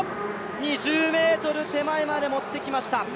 ２０ｍ手前までもってきました。